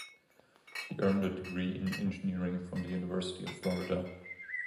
He earned a degree in engineering from the University of Florida.